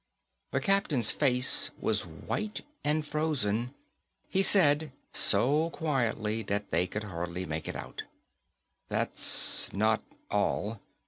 The captain's face was white and frozen. He said, so quietly that they could hardly make it out, "That's not all.